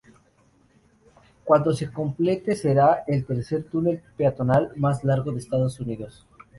Cuando se complete, será el tercer túnel peatonal más largo de Estados Unidos.